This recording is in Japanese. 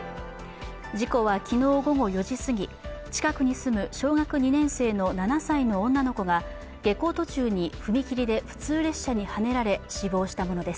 事故は昨日午後４時過ぎ、近くに住む小学２年生の７歳の女の子が下校途中に踏切で普通列車にはねられ死亡したものです。